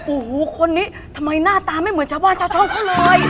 โอ้โหคนนี้ทำไมหน้าตาไม่เหมือนชาวบ้านชาวช่องเขาเลย